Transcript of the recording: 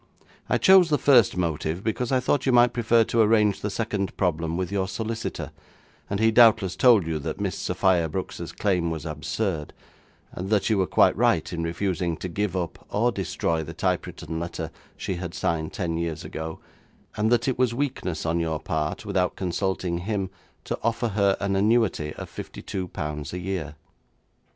I chose the first motive because I thought you might prefer to arrange the second problem with your solicitor, and he doubtless told you that Miss Sophia Brooks's claim was absurd; that you were quite right in refusing to give up or destroy the typewritten letter she had signed ten years ago, and that it was weakness on your part, without consulting him, to offer her an annuity of fifty two pounds a year.'